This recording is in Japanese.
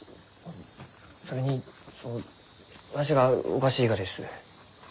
それにそのわしがおかしいがです。